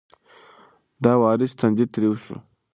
د وارث تندی تریو شو.